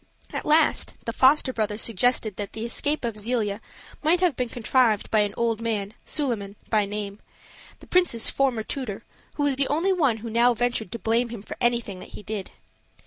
At last, the foster brother suggested that the escape of Zelia might have been contrived by an old man, Suliman by name, the prince's former tutor, who was the only one who now ventured to blame him for anything that he did.